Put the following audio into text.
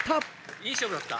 いい勝負だった？